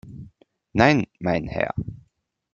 Nein, mein Herr!